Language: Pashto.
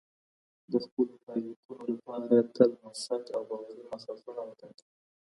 د خپلو پایلیکونو لپاره تل موثق او باوري ماخذونه وټاکئ.